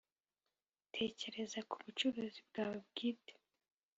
tekereza ku bucuruzi bwawe bwite